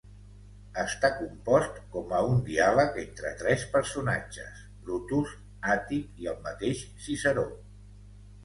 Està compost com a un diàleg entre tres personatges, Brutus, Àtic i el mateix Ciceró.